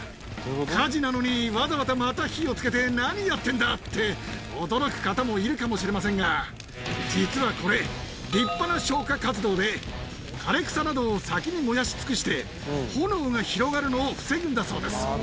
火事なのに、わざわざまた火をつけて何やってんだって、驚く方もいるかもしれませんが、実はこれ、立派な消火活動で、枯れ草などを先に燃やし尽くして、炎が広がるのを防ぐんだそうです。